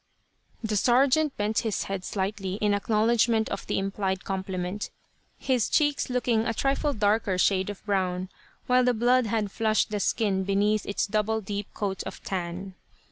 The sergeant bent his head slightly, in acknowledgement of the implied compliment, his cheeks looking a trifle darker shade of brown, where the blood had flushed the skin beneath its double deep coat of tan.